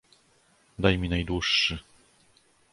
"Daj mi najdłuższy."